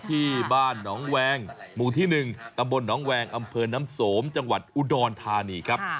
ที่บ้านหนองแวงหมู่ที่๑ตำบลหนองแวงอำเภอน้ำสมจังหวัดอุดรธานีครับ